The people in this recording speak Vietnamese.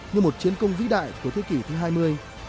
như một chiến công vĩ đại của thế kỷ thứ hai mươi